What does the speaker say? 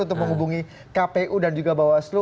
untuk menghubungi kpu dan juga bawaslu